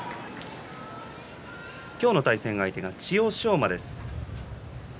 今日の対戦相手が千代翔馬です。